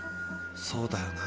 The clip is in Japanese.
そうだよな。